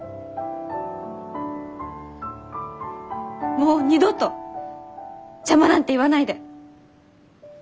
もう二度と「邪魔」なんて言わないで！